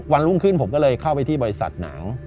รุ่งขึ้นผมก็เลยเข้าไปที่บริษัทหนาว